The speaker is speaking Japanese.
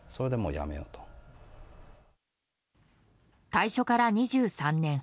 退所から２３年。